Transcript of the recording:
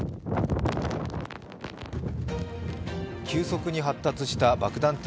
急速に発達した爆弾